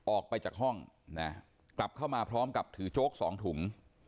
ออกไปจากห้องนะกลับเข้ามาพร้อมกับถือโจ๊กสองถุง